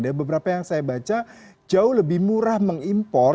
ada beberapa yang saya baca jauh lebih murah mengimpor